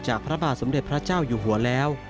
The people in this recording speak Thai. พระบาทสมเด็จพระเจ้าอยู่หัวแล้ว